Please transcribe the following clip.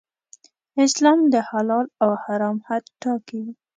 اسلام د حلال او حرام حد ټاکي.